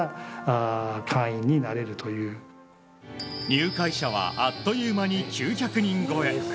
入会者はあっという間に９００人超え。